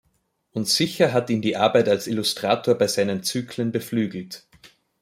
Und sicher hat ihn die Arbeit als Illustrator bei seinen Zyklen beflügelt.